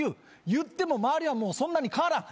言っても周りはそんなに変わらん。